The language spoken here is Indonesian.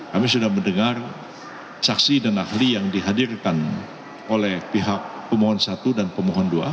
kami sudah mendengar saksi dan ahli yang dihadirkan oleh pihak pemohon satu dan pemohon dua